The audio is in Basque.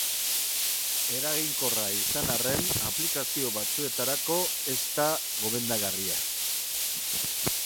Eraginkorra izan arren, aplikazio batzuetarako ez da gomendagarria.